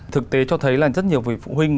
thực tế cho thấy là rất nhiều vị phụ huynh